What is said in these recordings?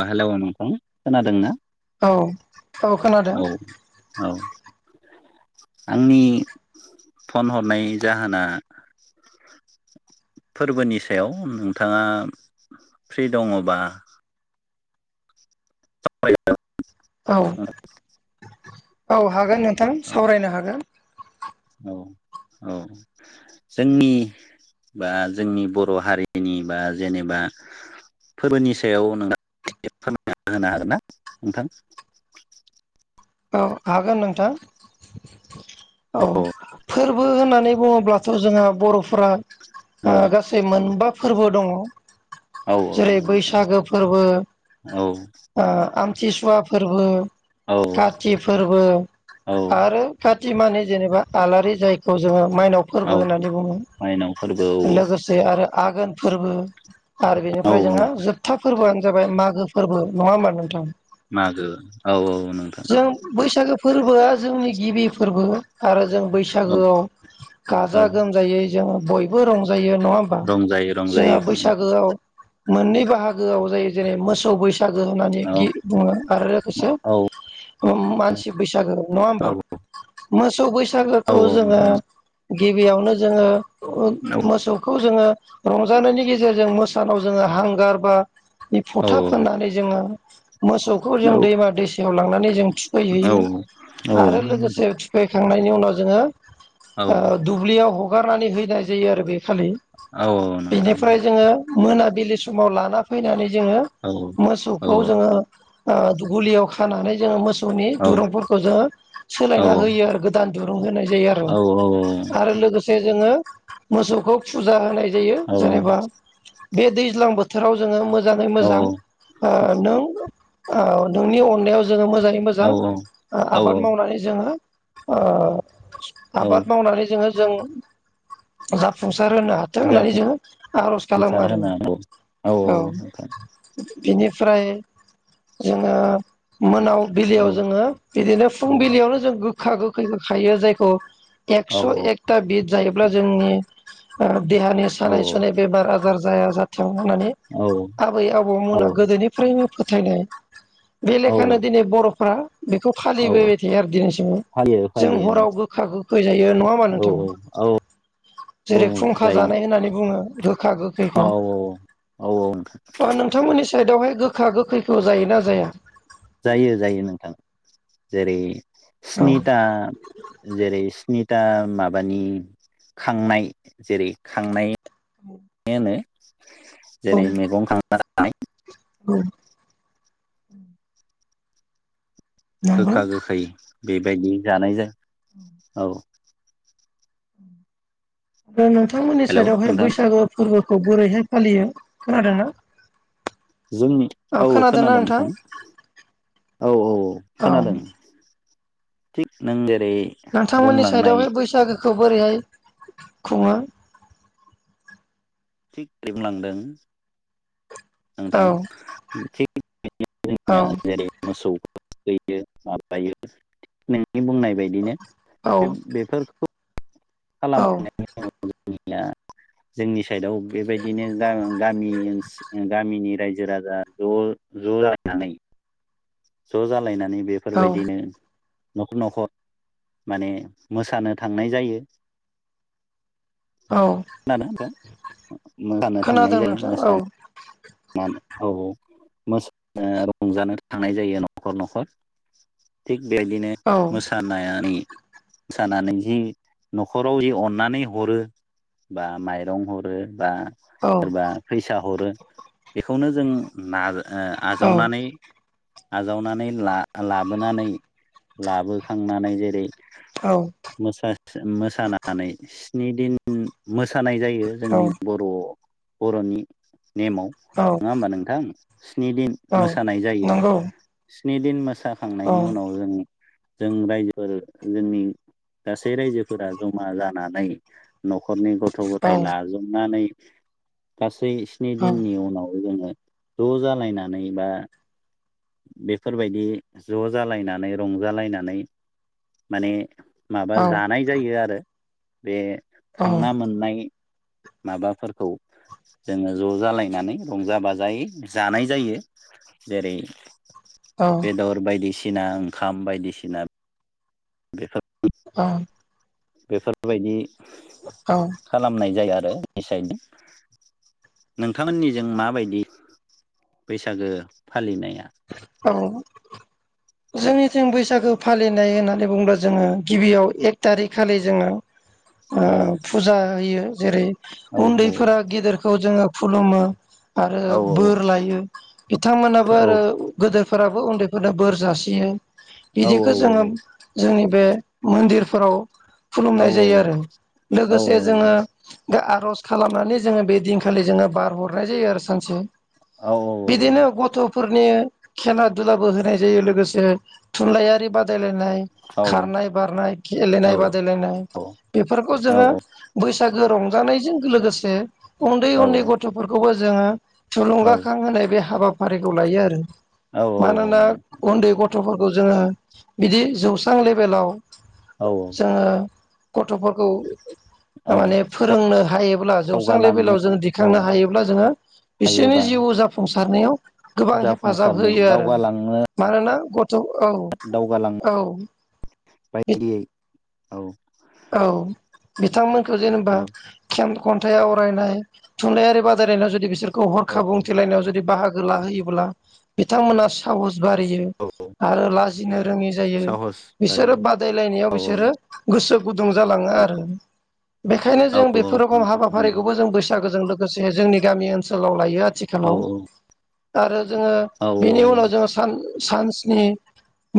अ हेल' नोंथां खोनादोंना औ औ औ खोनादों औ आंनि फन हरनाय जाहोना फोरबोनि सायाव नोंथाङा फ्रि दङबा [unintelligible] औ औ हागोन नोंथां सावरायनो हागोन औ जोंनि बा जोंनि बर' हारिनि बा जेनेबा फोरबोनि सायाव नोंथां फोरमायना होनो हागोन ना नोंथां औ हागोन नोंथां औ फोरबो होननानै बुङोब्लाथ' जोंहा बर'फोरा औ गासै मोनबा फोरबो दङ औ जेरै नोंथां बैसागो फोरबो औ ओ आमथिसुवा फोरबो औ काति फोरबो औ आरो काति मानि जेनेबा आलारि जायखौ जोङो माइनाव औ फोरबो होननानै बुङो माइनाव फोरबो औ लोगोसे आरो आघोन फोरबो आरो औ बेनिफ्राय जोंहा जोबथा फोरबोआनो जाबाय मागो फोरबो नङा होमबा नोंथां मागो औ औ नों जों बैसागो फोरबोआ जोंनि गिबि फोरबो आरो जों औ बैसागोआव गाजा औ गोमजायै जों बयबो रंजायो जायो नङा होमबा रंजायो जोंहा रंजायो नोंथां बैसागोआव मोननै बाहागोआव जायो जेरै मोसौ बैसागो बैसागो होननानै औ गि बुङो आरो औ लोगोसे मानसि बैसागो नङा होमबा मोसौ बैसा औ बैसागोखौ जोङो नंगौ गिबियावनो जोङो नंगौ मोसौखौ जोङो रंजानायनि गेजेरजों मोसौनाव जोङो हांगार बा औ औ फथा फाननानै जोङो मोसौखौ जों दैमा दैसायाव लांनानै जों थुखैहैयो औ आरो औ लोगोसे थुखै थांनायनि उनाव जोङो औ दुब्लियाव हगारनानै हैनाय जायो आरो बे खालि औ औ नोंथां बेनिफ्राय जोङो मोनाबिलि समाव लाना फैनानै जोङो औ औ मोसौखौ जोङो आ गलियाव खानानै जोङो मोसौ मोसौनि औ दुरुंफोरखौ जोङो सोलायना होयो आरो गोदान दुरुं होनाय जायो आरो औ आरो लोगोसे जोङो मोसौखौ फुजा होनाय जायो औ जेनेबा बे दैज्लां बोथोराव जोङो मोजाङै औ मोजां ओ नों औ नोंनि अननायाव जोङो मोजाङै मोजां औ औ आबाद मावनानै जोङो ओ औ आबाद मावनानै जोङो जों जाफुंसार होनो हाथों होननानै जोङो आर'ज खालामो जाफुंसार आरो होनो औ नोंथां बिनिफ्राय जोङो मोनाव औ बिलियाव जोङो बिदिनो फुंबिलियावनो जों गोखा गोखैखौ खायो जायखौ औ एकस' एकता बिद जायोब्ला जोंनि देहानि औ सानाय सुनाय बेमारा बार जाया जाथों होननानै आबै औ आबौमोना गोदोनिफ्रायनो फोथायनाय बे औ लेखानो दिनै बर'फ्रा बेखौ औ फालिबोबाय थायो आरो दिनैसिमाव फालियो जों फालियो हराव नोंथां गोखा गोखै जायो नङा होमबा औ औ नोंथां औ जेरै खुंखा जायो जानाय होननानै बुङो गोखा गोखैखौ औ औ अ नोंथांमोननि साइदआवहाय गोखा गोखैखौ जायोना जाया जायो जायो नोंथां जेरै औ स्निता जेरै स्नि दा माबानि खांनाय जेरै खांनाय होनो औ जेरै मैगं खांनाय औ नंगौ गोखा गोखै बेबायदि जानाय जो औ बे नोंथांमोननि हेलौ सेरावहाय नोंथां बैसागो फोरबोखौ बोरैहाय फालियो खोनादों ना जोंनि औ खोनादों नोंथां औ औ औ औ खोनादों थिग नोंबेग नोंथांमोननि साइदावहाय बैसागोखौ बोरैहाय खुङो [unintelligible] औ [unintelligible] थुखौयो औ माबायो नोंनि बुंनाय बादिनो औ बे- बेफोरखौ खालाम औ खांनायनि उनाव जोंना जोंनिस साइदाव बेबायदिनो गागं-गामिओन्स ओ गामिनि रायजो जो राजा ज' ज' जानानै ज' जालायनानै औ बेफोरबायदिनो न'खर न'खर माने मोसानो थांनाय जायो [unintelligible] औ मोसानो थांनाय खोनादों जायो नोंथां औ मोसानो औ औ मोसानो एबा रंजानो थांनाय जायो न'खर न'खर थिग बेबायदिनो औ मोसानायानै मोसानानै जि न'खराव ओइ अननानै हरो बा माइरं हरो बा औ सोरबा फैसा हरो बेखौनो जों नाजा ओ औ आजावनानै आजावनानै ला-लाबोनानै लाबोखांनानै जेरै औ मोसाथोन मोसानानै स्नि दिन सानाय जायो औ जोंनि बर' बर'नि नेमाव औ नङा होमबा नोंथां स्नि दिन औ मोसानाय जायो नंगौ स्नि दिन औ मोसाखांनायनि उनाव जों जों रायजोफोर जोंनि गासै रायजोफोरा जमा जानानै न'ख खरनि गथ' गथाय लाजोबनानै गासै स्नि औ दिननि उन खौ जोङो ज' जालायनानै बा बेफोरबायदि ज' जालायनानै रंजालायनानै माने माबा औ जानाय जायो आरो बे औ खांना मोननाय माबाफोरखौ जोङो ज' जालायनानै रंजा बाजायै जानाय जायो जेरै औ बेदर बायदिसिना ओंखाम बायदिसिना बेसद अ बेफोरबायदि खालामनाय जायो आरो निसाइदना नोंथांमोननिजों माबायदि बैसागो फालिनाया औ [inaudible] जोंनिथिं बैसागो फालिनाय होननानै बुङोबा जोङो गिबियाव एक टारिक खालि जोङो ओ औ फुजा होयो जेरै औ उन्दैफोरा गेदेरखौ जोङो खुलुमो आरो औ बोर लायो बिथांमोनाबो औ आरो गोदोफोराबो उन्दैफोरनो बोर जासियो औ बिदिखौ जोङो जोंनि बे मोन्दिरफोराव औ खुलुमनाय जायो आरो औ लोगोसे जोङो बे आख रस खालामनानै जोङो बे दिनखालि जोङो बार हरनाय जायो आरो सानसे औ बिदिनो गथ'फोरनि खेना दुलाबो होनाय जायो लोगोसे थुनलाइयारि बादेद गेलेनाय खारनाय बारनाय गेलेनाय औ बादायलायनाय । बेफोरखौ जोङो बै बैसागो रंजानायजों लोगोसे उन्दै-उन्दै गथ'फोरखौबो जोङो थुलुंगाखां होनाय बे हाबाफारिखौ लायो आरो मानोना उन्दै गथ' गथ'फोरखौ जोङो बिदि जौस्रां लेबेलाव जोङो! गथ'फोरखौ माने फोरोंनो हायोब्ला जौस्रां लेभेलाव औ जोङो औ दिखांनो हायोब्ला जोङो बिसोरनि हायोबा जिउ जाफुंसारनायाव गोबां हेफाजाब जाफुंसारनायाव होयो आरो दावगालांनो मानोना गथ' औ दावगालां औ बायदियै औ औ बिथांमोनखौ जेनेबा औ खेम खन्थाइ आवरायनाय थुनलाइयारि बादायलायनायाव जुदि बिसोरखौ औ हरखा बुंथिलायनायाव जुदि बाहागो ला होयोब्ला बिथांमोना साहस बारियो औ आरो लाजिनो रोङि जायो साहस आरि बिसोरो बादायलायनायाव औ बिसोरो गोसो गुदुं जालाङो आरो बेखायनो औ औ जों औ बेफोर गुन नोंथां नंगौ हाबाफारिखौबो जों बैसागोजों लोगोसे जोंनि गामि ओनसोलाव लायो औ आथिखालाव आरो जोङो औ बेनि उनाव जोङो सान्सनि मो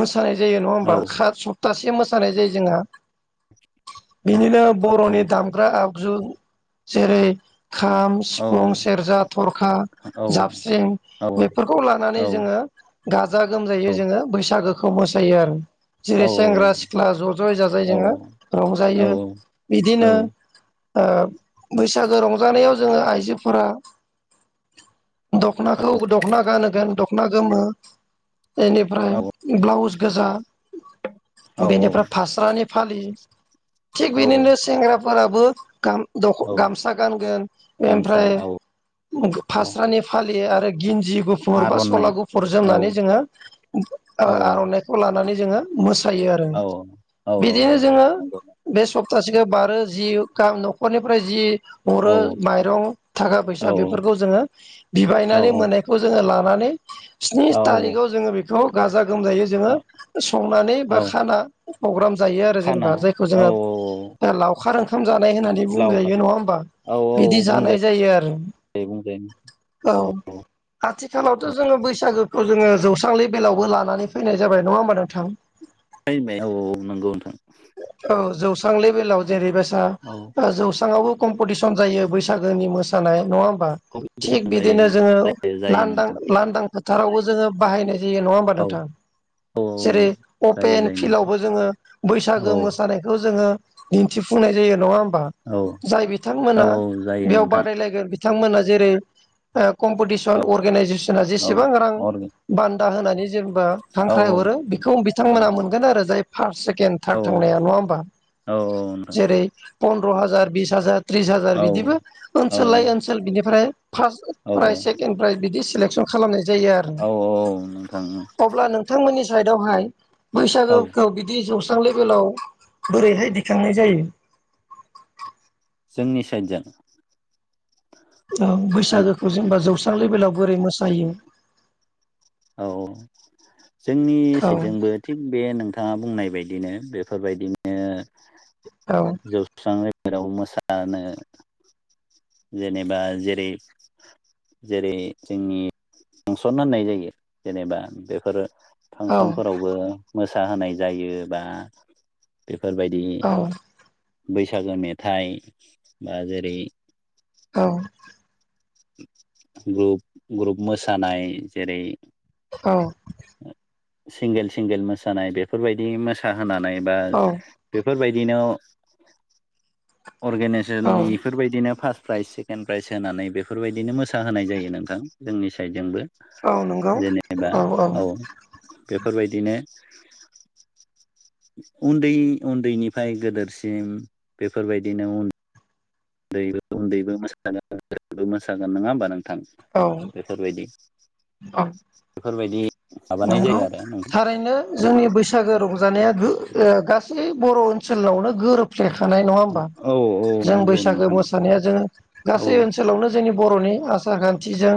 मोसानाय जायो नङा औ होमबा खासथ सप्तासे मोसानाय जायो जोंहा बिनिनो बर'नि दामग्रा आगजु जेरै खाम, औ सिफुं, सेरजा, थरखा औ जाबस्रिं औ बेफोरखौ लानानै जोङो गाजा गोमजायै जोङो बैसागोखौ बे खौ मोसायो आरो जेरै सेंग्रा सिख्ला ज' ज'य जाजाय जोङो रंजायो बिदिनो बैसागो रंजानायाव जोङो आइजोफोरा दख'नाखौ दख'ना गानोगोन दख'ना गोमो बेनिफ्राय ब्लाउस गोजा औ बेनिफ्राय फास्रानि फालि थिग औ बिनिनो सेंग्राफोराबो गाम दख औ गामसा गानगोन गामसा ओमफ्राय औ औ फास्रानि फालियो आरो गिन्जि गुफुर बा आर'नाइ सला गुफुर औ जोमनानै जोङो औ आर'नाइखौ लानानै जोङो मोसायो आरो औ औ बिदिनो औ जोङो नंगौ बे सप्तासे बारो जि ग न'खरनिफ्राय जि- हरो औ माइरं थाखा फैसा औ बेफोरखौ जोङो औ बिबायनानै मोननायखौ जोङो लानानै स्नि औ औ थारिखआव जोङो बेखौ गाजा- गोमजायै जोंङो औ सनानै बा खाना फग्राम जायो आरो खाना जेनेबा औ जोंङो लावखार ओंखाम जानाय होननानै लाव बुंजायो खार नङा हबा औ बिदि औ जानाय बुंजायो जायो आरो बुंजायो औ आथिखालावथ' औ जोङो बैसागो खौ जोङो जौस्रां ले बेलायावबो लानानै फैनाय जाबाय नङा होमबा नोंथां फैबाय औ औ नंगौ नोंथां औ जौस्रां लेभेलाव जेरैबायसा औ जौस्रांवावबो कम्पिटिसन जायो बैसागोनि मोसानाय नङा होन थिग कम्पिटिसन जायो बिदिनो जोङो जायो जायो नोंथां लांदां-लांदां फोथारावबो जोङो बाहायनाय नङा होनबा औ नोंथां औ जेरै जायो अफेन जायो नोंथां फिलावबो जोङो बैसागो- औ मोसानायखौ जोङो दिन्थिफुंनाय जायो नङाहोनबा औ जाय औ बिथांमोना औ जायो बेयाव नोंथां बादायलायगोन बिथांमोना जेरै कम्पिटिसन औ अर्गेनाइजेसना औ जेसेबां रां अरगेन बान्था होनानै जेनबा औ हांख्राय हरो बेखौ औ बिथांमोना मोनगोन आरो जाय फार्स्ट सेकेणड थार थांनाया औ नङा होमबा औ नोंथां जेरै पनन्द्र' हाजार बिस हाजार थ्रिस हाजार औ बिदिबो औ ओनसोल लायै ओनसोल बिनिफ्राय फार्स्ट औ प्राइज सेकेणड प्राइज बिदि खालेकसन खालामनाय जायो आरो औ औ नोंथां अब्ला नोंथांमोननि साइत आवहाय औ बैसागुखौ बिदि जौस्रां लेभेलाव बोरैहाय दिखांनाय जायो जोंनि साइडजों औ बैसागोखौ जेनेबा जौस्रां लेभेलाव बोरै मोसायो औ औ जोंनि औ साइदजोंबो थिग बे नोंथाङा बुंनाय बिदिनो बेफोरबायदिनो औ जौस्रां जेराव मोसानो जेनेबा जेरै जेरै जोंनि फांसन होननाय जायो जेनेबा बेफोरो औ फांसनफोरावबो मोसाहोनाय जायो बा बे फोरबायदि औ बैसागो मेथाइ बा जेरै औ ग्रुप ग्रुप मोसानाय जेरै औ सिंगेल सिंगेल मोसानाय बेफोरबायदि मोसाहोनानै बा औ बेफोरबायदि [unintelligible] बिदिनो अर्गेनाइजेसन औ इफोरबायदिनो फार् प्राइज सेकेन्ड प्राइज होनानै बेफोरबायदिनो मोसाहोनाय जायो नोंथां। जोंनि साइडजोंबो। औ नंगौ जेनेबा औ बेफोरबायदि बिदिनो उन्दै उन्दैनिफ्राय गोदेरसिम बेफोरबायदिनो उम उन्दैबो मोसागोनबो मोसागोन नङा होमबा? नों थां औ बेफोरबायदि, औ बेफोरबायदि माबानाय नंगौ, जायो आरो नोंथां थारैनो जोंनि बैसागो रंजानाया ओ गासै बर' ओनसोलावनो गोरोब फेखानाय नङा होमबा? औ औ जों नंगौ बैसागो नोंथां मोसानाया जोङो गासै औ ओनसोलावनो जोंनि बर'नि आसार खान्थिजों,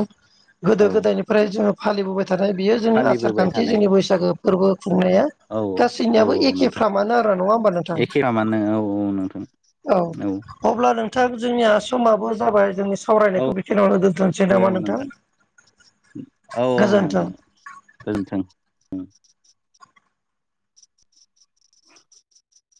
गोदो औ गोदायनिफ्राय जोङो फालिबोबाय थानाय बियो जोंनि आसार फालिबोबाय खान्थि थानाय जोंनि बैसागो फोरबो खुंनाया औ गासैनियाबो एखे फ्रामानो आरो, नङा होमबा नोंथां? एखेफ्रामानो औ औ नोंथां। औ अब्ला नोंथां, जोंनिआ समाबो जाबाय जोंनि औ सावरायनायखौ बेखनिआवनो दोन्थसै नामा नोंथां? औ औ गोजोन्थों। नोंथां गोजोनथों। [inaudible]